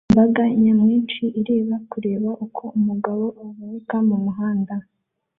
Imbaga nyamwinshi ireba kureba uko umugabo avunika mumuhanda